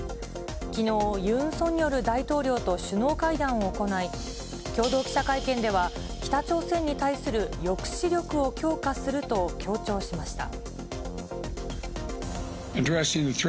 きのう、ユン・ソンニョル大統領と首脳会談を行い、共同記者会見では、北朝鮮に対する抑止力を強化すると強調しました。